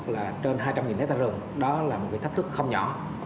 là trên hai trăm linh hectare rừng đó là một cái thách thức không nhỏ